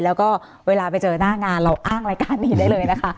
แล้วก็เวลาไปเจอหน้างานเราอ้างรายการนี้ได้เลยนะคะ